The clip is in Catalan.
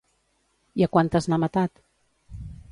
I a quantes n'ha matat?